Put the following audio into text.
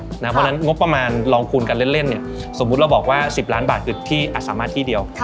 เพราะฉะนั้นงบประมาณลองคูณกันเล่นสมมุติเราบอกว่า๑๐ล้านบาทคือที่อาสามารถที่เดียว